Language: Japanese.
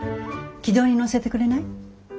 軌道に乗せてくれない？